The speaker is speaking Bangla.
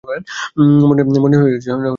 মনে হইল যেন কিনারা পাওয়া গেল।